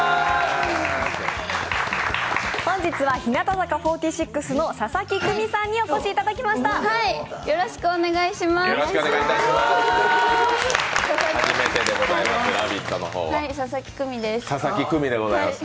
本日は日向坂４６の佐々木久美さんにお越しいただきました。